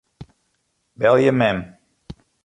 Belje mem.